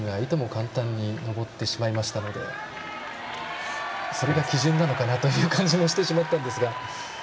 簡単に登ってしまいましたのでそれが基準なのかなという気もしてしまったんですが。